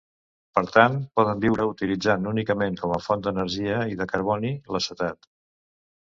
Per tant, poden viure utilitzant únicament com a font d'energia i de carboni l'acetat.